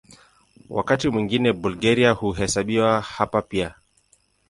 Wakati mwingine Bulgaria huhesabiwa hapa pia.